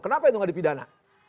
kenapa itu tidak dipidana